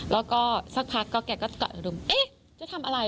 แล้วก็สักพักเขากลับกดหนึ่งเอ๊ะจะทำอะไร